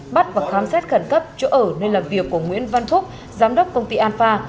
bắt và khám xét khẩn cấp chỗ ở nơi làm việc của nguyễn văn phúc giám đốc công ty an pha